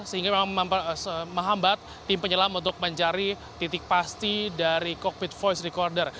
sehingga memang menghambat tim penyelam untuk mencari titik pasti dari cockpit voice recorder